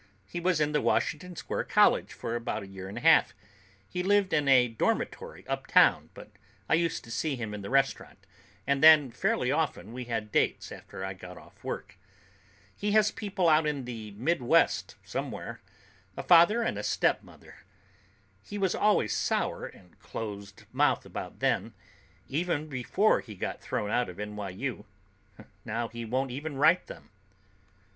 "He was in the Washington Square College for about a year and a half. He lived in a dormitory uptown, but I used to see him in the restaurant, and then fairly often we had dates after I got off work. He has people out in the Midwest somewhere—a father and a stepmother. He was always sour and close mouthed about them, even before he got thrown out of NYU. Now he won't even write them."